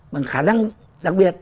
bằng khả năng đặc biệt